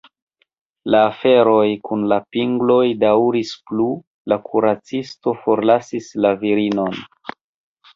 La aferoj kun la pingloj daŭris plu, la kuracisto forlasis la virinon.